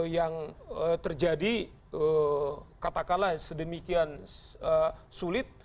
yang terjadi katakanlah sedemikian sulit